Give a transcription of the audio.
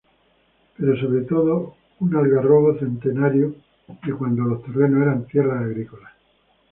Pero sobre todo un algarrobo centenario de cuando los terrenos eran tierras agrícolas.